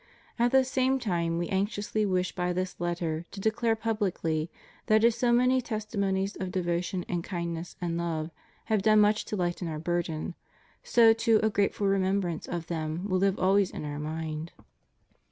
At the same time We anxiously wish by this letter to declare publicly that as so many testimonies of devotion and kindness and love have done much to lighten Our burden, so too a grateful remembrance of them will live always in Our mind.